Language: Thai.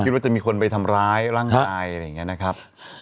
ว่าจะมีคนไปทำร้ายร่างกายอะไรอย่างนี้นะครับ